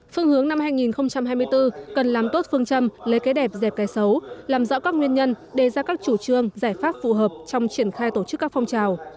phương hướng năm hai nghìn hai mươi bốn cần làm tốt phương châm lấy cái đẹp dẹp cái xấu làm rõ các nguyên nhân đề ra các chủ trương giải pháp phù hợp trong triển khai tổ chức các phong trào